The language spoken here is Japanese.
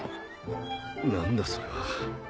何だそれは。